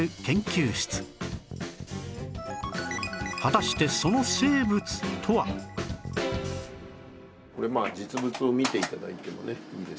果たして実物を見て頂いてもねいいですよね。